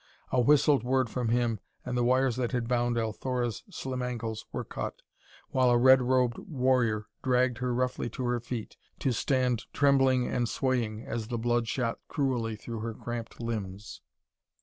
A whistled word from him and the wires that had bound Althora's slim ankles were cut, while a red robed warrior dragged her roughly to her feet to stand trembling and swaying as the blood shot cruelly through her cramped limbs.